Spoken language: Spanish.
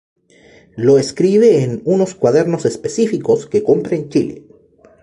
Lo escribe "en unos cuadernos específicos que compra en Chile.